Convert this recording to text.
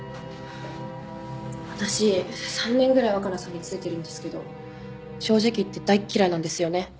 私３年ぐらい若菜さんに付いてるんですけど正直言って大っ嫌いなんですよね。